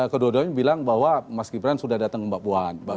kedua duanya bilang bahwa mas gibran sudah datang ke mbak puan